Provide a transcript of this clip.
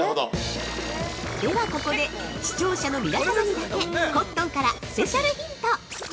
◆ではここで視聴者の皆さまにだけ、コットンからスペシャルヒント！